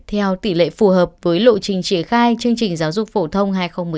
theo tỷ lệ phù hợp với lộ trình triển khai chương trình giáo dục phổ thông hai nghìn một mươi tám